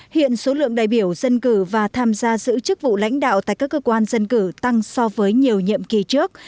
hiện số lượng đại biểu dân cử và tham gia giữ chức vụ lãnh đạo tại các cơ quan dân cử tăng so với nhiều nhiệm kỳ trước